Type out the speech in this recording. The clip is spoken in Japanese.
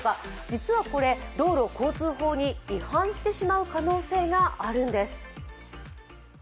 実はこれ、道路交通法に違反してしまう可能性があるんです。